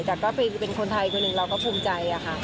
แต่ก็เป็นคนไทยคนหนึ่งเราก็ภูมิใจค่ะ